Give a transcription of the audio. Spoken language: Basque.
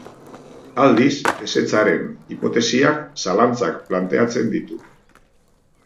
Aldiz, ezetzaren hipotesiak zalantzak planteatzen ditu.